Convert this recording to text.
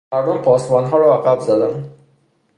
مردم پاسبانها را عقب زدند.